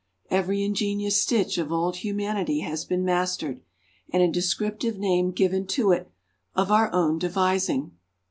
Every ingenious stitch of old humanity has been mastered, and a descriptive name given to it of our own devising.